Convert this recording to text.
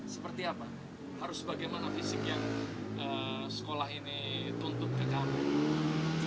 seperti apa harus bagaimana fisik yang sekolah ini tuntut ke kampung